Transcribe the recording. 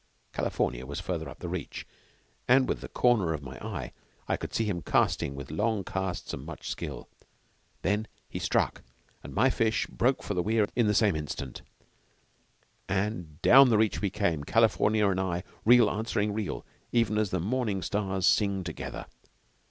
California was further up the reach, and with the corner of my eye I could see him casting with long casts and much skill. Then he struck, and my fish broke for the weir in the same instant, and down the reach we came, California and I, reel answering reel even as the morning stars sing together.